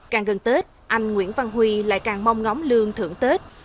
càng gần tết anh nguyễn văn huy lại càng mong ngóng lương thưởng tết